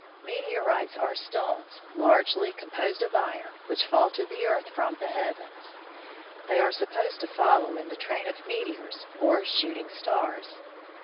Meteorites are stones, largely composed of iron, which fall to the earth from the heavens. They are supposed to follow in the train of meteors, or shooting stars.